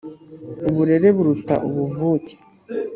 Uburere buruta ubuvuke.